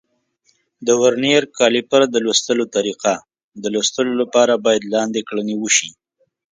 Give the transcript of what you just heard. د ورنیر کالیپر د لوستلو طریقه: د لوستلو لپاره باید لاندې کړنې وشي.